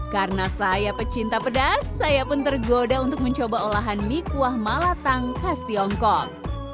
karena saya pecinta pedas saya pun tergoda untuk mencoba olahan mie kuah malatang khas tiongkok